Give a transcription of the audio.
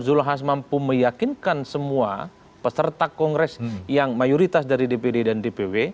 zulkifli hasan mampu meyakinkan semua peserta kongres yang mayoritas dari dpd dan dpw